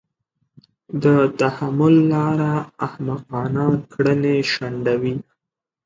د تحمل لاره احمقانه کړنې شنډوي.